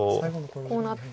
こうなって。